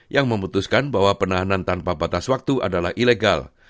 yang memutuskan bahwa penahanan tanpa batas waktu adalah ilegal